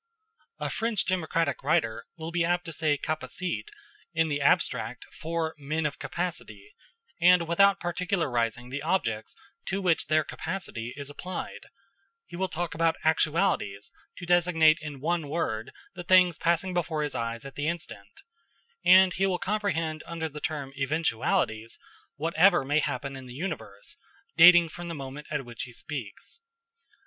A French democratic writer will be apt to say capacites in the abstract for men of capacity, and without particularizing the objects to which their capacity is applied: he will talk about actualities to designate in one word the things passing before his eyes at the instant; and he will comprehend under the term eventualities whatever may happen in the universe, dating from the moment at which he speaks.